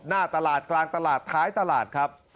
หน้าตลาดกลางตลาดท้ายตลาดครับ